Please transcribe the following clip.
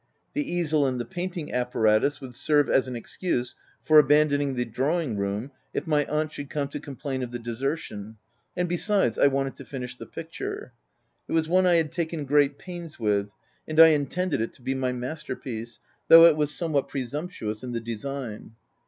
The easel and the painting apparatus would serve as an excuse for abandoning the drawing room, if my aunt should come to complain of the de sertion ; and besides, I wanted to finish the picture. It was one I had taken great pains with, and I intended it to be my master piece, though it was somewhat presumptuous in the design.